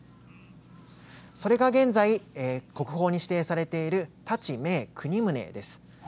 それが現在、国宝に指定されている太刀銘国宗です。